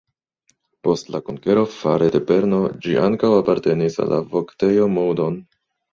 Post la konkero fare de Berno ĝi ankaŭ apartenis al la Voktejo Moudon.